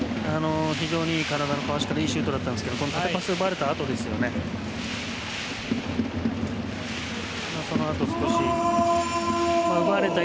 非常に体のかわし方いいシュートだったんですけど縦パスを奪われたあとからでした。